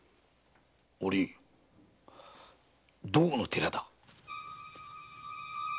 お凛どこの寺だ？